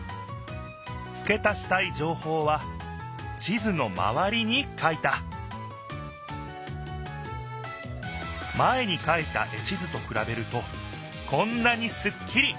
つけ足したいじょうほうは地図のまわりに書いた前に書いた絵地図とくらべるとこんなにすっきり。